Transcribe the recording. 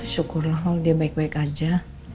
syukurlah dia baik baik aja